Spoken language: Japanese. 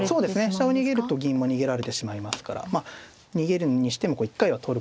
飛車を逃げると銀も逃げられてしまいますから逃げるにしても一回は取ることになりそうですけどね。